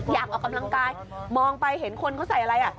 อยากออกกำลังกายมองไปเห็นคนเขาใส่อะไรอ่ะ